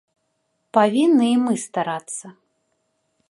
Павінны і мы старацца.